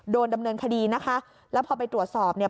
โดนดำเนินคดีนะคะแล้วพอไปตรวจสอบเนี่ย